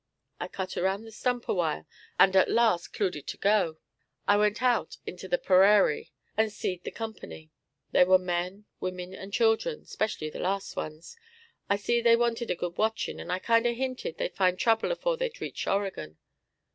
I cut around the stump awhile and at last 'cluded to go. I went out onto the perarie, and seed the company. They were men, women, and children, 'specially the last ones. I seed they wanted good watchin', and I kinder hinted they'd find trouble afore they'd reach Oregon.